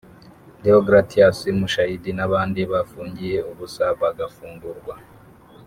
Déogratias Mushayidi n’abandi bafungiye ubusa bagafungurwa